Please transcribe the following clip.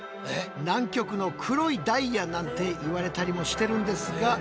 南極の黒いダイヤなんていわれたりもしてるんですが。